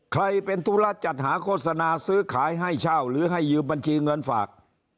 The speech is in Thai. ใครเป็นธุระจัดหาโฆษณาซื้อขายให้เช่าหรือให้ยืมบัญชีเงินฝาก